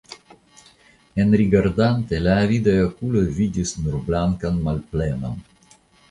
Enrigardante, la avidaj okuloj vidis nur blankan malplenon!